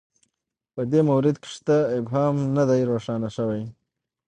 په دې مورد کې شته ابهام نه دی روښانه شوی